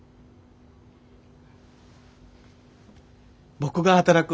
僕が働く。